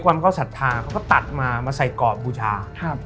ส่วนของเขาศรัทธาเขาก็ตัดมามาใส่กรอบบูชา